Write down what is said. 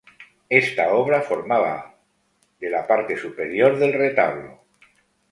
Esta obra formaba de la parte superior del retablo.